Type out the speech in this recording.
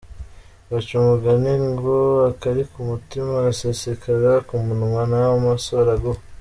Baca umugani ngo akari ku mutima gasesekara ku munwa, nawe amaso araguha,.